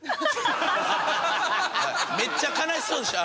めっちゃ悲しそうでした。